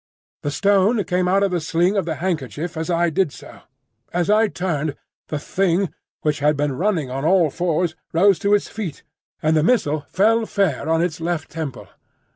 The stone came out of the sling of the handkerchief as I did so. As I turned, the Thing, which had been running on all fours, rose to its feet, and the missile fell fair on its left temple.